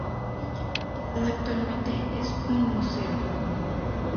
Dicha propiedad actualmente es un museo.